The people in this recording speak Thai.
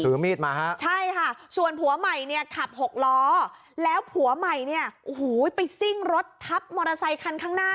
มีดมาฮะใช่ค่ะส่วนผัวใหม่เนี่ยขับหกล้อแล้วผัวใหม่เนี่ยโอ้โหไปซิ่งรถทับมอเตอร์ไซคันข้างหน้า